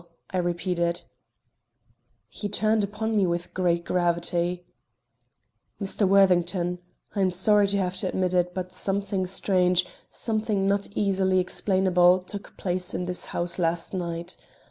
I repeated. He turned upon me with great gravity. "Mr. Worthington, I am sorry to have to admit it, but something strange, something not easily explainable, took place in this house last night.